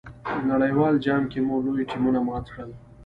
نړیوال جام کې مو لوی ټیمونه مات کړل.